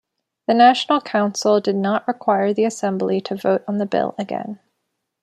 The National Council did not require the Assembly to vote on the bill again.